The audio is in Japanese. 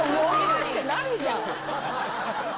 ってなるじゃん。